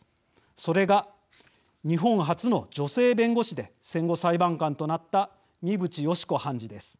それが、日本初の女性弁護士で戦後、裁判官となった三淵嘉子判事です。